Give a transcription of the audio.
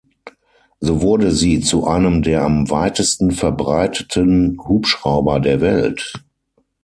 So wurde sie zu einem der am weitesten verbreiteten Hubschrauber der Welt.